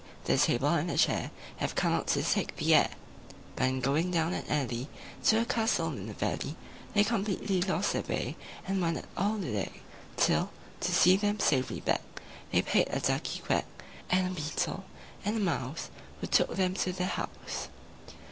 the Table and the Chair Have come out to take the air!" IV But in going down an alley, To a castle in a valley, They completely lost their way, And wandered all the day; Till, to see them safely back, They paid a Ducky quack, And a Beetle, and a Mouse, Who took them to their house.